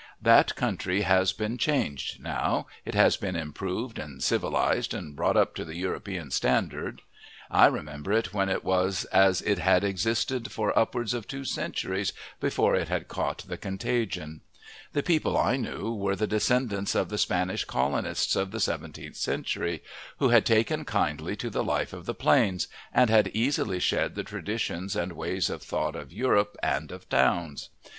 That country has been changed now; it has been improved and civilized and brought up to the European standard; I remember it when it was as it had existed for upwards of two centuries before it had caught the contagion. The people I knew were the descendants of the Spanish colonists of the seventeenth century, who had taken kindly to the life of the plains, and had easily shed the traditions and ways of thought of Europe and of towns.